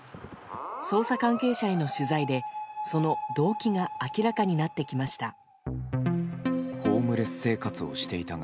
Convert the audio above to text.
捜査関係者への取材でその動機が明らかになってきました。